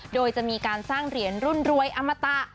โดยจะมีการสร้างเหรียญรุ่นรวยอมตะ